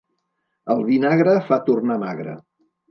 El vinagre fa tornar magre.